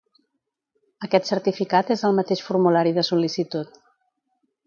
Aquest certificat és al mateix formulari de sol·licitud.